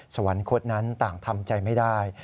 สวรรคตนั้นต่างทำใจไม่ได้